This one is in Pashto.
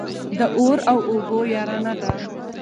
د اور او اوبو يارانه ده.